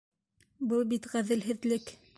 Был бит ғәҙелһеҙлек!